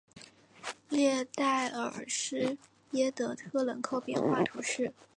列代尔施耶德特人口变化图示